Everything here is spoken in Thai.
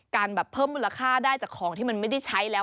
การแบบเพิ่มมูลค่าได้จากของที่มันไม่ได้ใช้แล้ว